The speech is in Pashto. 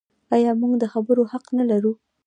آیا موږ د خبرو حق نلرو؟